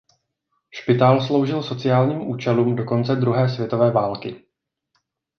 Špitál sloužil sociálním účelům do konce druhé světové války.